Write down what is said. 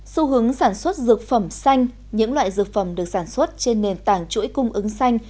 xu hướng sản xuất dược phẩm xanh những loại dược phẩm được sản xuất trên nền tảng chuỗi cung ứng xanh